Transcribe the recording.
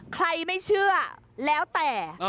ไม่เชื่อแล้วแต่